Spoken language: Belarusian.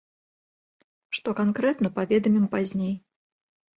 Што канкрэтна, паведамім пазней.